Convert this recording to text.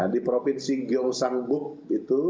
di provinsi gyeongsangbuk itu